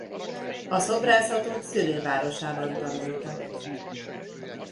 A szobrászatot szülővárosában tanulta.